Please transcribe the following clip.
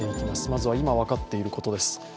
まずは今、分かっていることです。